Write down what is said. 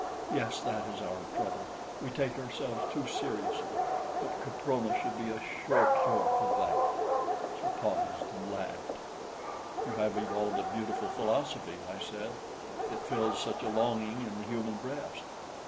Yes, that is our trouble we take ourselves too seriously; but Caprona should be a sure cure for that." She paused and laughed. "You have evolved a beautiful philosophy," I said. "It fills such a longing in the human breast.